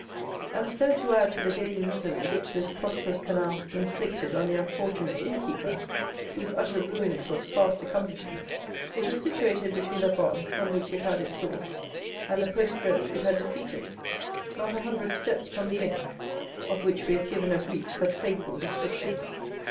And, as though to add to the daily misery which this prosperous canal inflicted on the unfortunate innkeeper, whose utter ruin it was fast accomplishing, it was situated between the Rhône from which it had its source and the post road it had depleted, not a hundred steps from the inn, of which we have given a brief but faithful description.